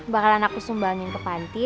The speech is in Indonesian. bakalan aku sumbangin ke panti